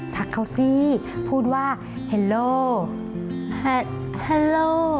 ทักเขาสิพูดว่าฮัลโหล